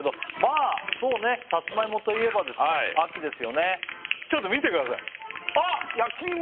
サツマイモといえばですね秋ですよねちょっと見てくださいあっ！